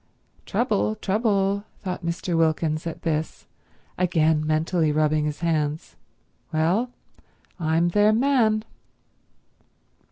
"Trouble, trouble," thought Mr. Wilkins at this, again mentally rubbing his hands. "Well, I'm their man."